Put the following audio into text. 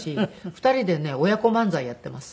２人でね親子漫才やっています。